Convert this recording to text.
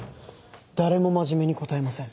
誰も真面目に答えません。